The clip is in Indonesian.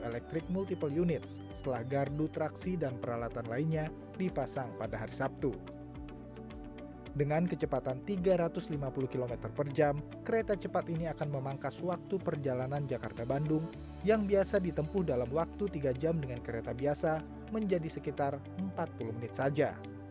ketika kereta cepat ini dioperasikan kereta cepat ini akan memangkas waktu perjalanan jakarta bandung yang biasa ditempuh dalam waktu tiga jam dengan kereta biasa menjadi sekitar empat puluh menit saja